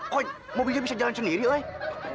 kok mobilnya bisa jalan sendiri wey